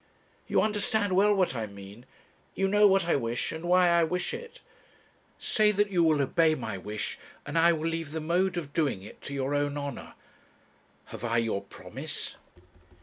You understand well what I mean; you know what I wish, and why I wish it. Say that you will obey my wish, and I will leave the mode of doing it to your own honour. Have I your promise?'